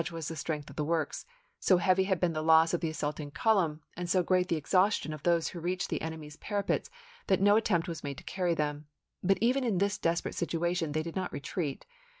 l was the strength of the works, so heavy had been the loss of the assaulting column, and so great the exhaustion of those who reached the enemy's para pets that no attempt was made to carry them ; but even in this desperate situation they did not re treat.